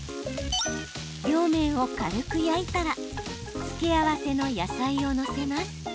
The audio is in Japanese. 両面を軽く焼いたら付け合わせの野菜を載せます。